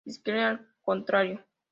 Scheler al contrario.